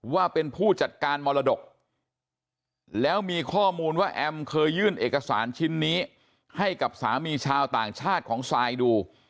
ว่าเป็นผู้จัดการมรดกแล้วมีข้อมูลว่าแอมเคยยื่นเอกสารชิ้นนี้ให้กับสามีชาวต่างชาติของซายดู